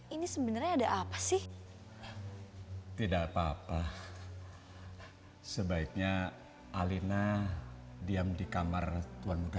ini sebenarnya ada apa sih tidak apa apa sebaiknya alina diam di kamar tuhan muda